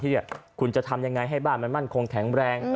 ที่คุณจะทำยังไงให้บ้านมันมั่นคงแข็งแรง